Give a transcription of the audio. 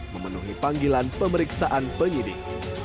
memenuhi panggilan pemeriksaan penyidik